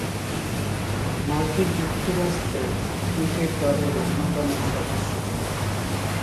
মার্কিন যুক্তরাষ্ট্রের ক্রিকেট দলের অন্যতম সদস্য তিনি।